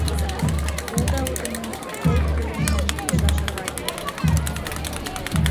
Ул да үҙенең «Сәй күле» менән хушлашырға килгән икән.